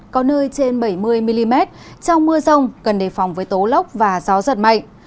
có nơi trên bảy mươi mm trong mưa rông cần đề phòng với tố lốc và gió giật mạnh